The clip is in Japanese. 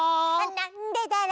「なんでだろう」